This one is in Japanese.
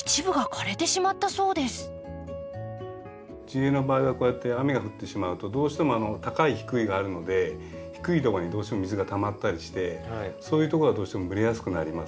地植えの場合はこうやって雨が降ってしまうとどうしても高い低いがあるので低いとこにどうしても水がたまったりしてそういうとこがどうしても蒸れやすくなりますね。